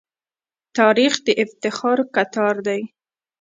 تاریخ د افتخارو کتار دی.